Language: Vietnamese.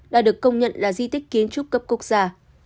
đã được công nhận là di tích kiến trúc cấp quốc gia